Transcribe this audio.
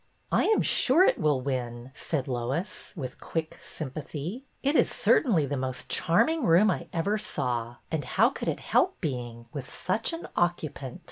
I am sure it will win," said Lois, with quick sympathy. '' It is certainly the most charming room I ever saw, and how could it help being, with such an occupant?